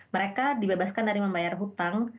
mereka dibebaskan dari membayar hutang